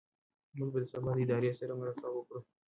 موږ به سبا د ادارې سره مرکه وکړو.